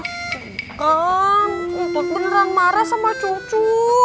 enggak untut beneran marah sama cucu